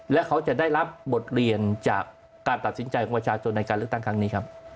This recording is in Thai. และเขาจะได้รับบทเรียนจากการตัดสินใจของประชาชนในการเลือกตั้งครั้งนี้ครับ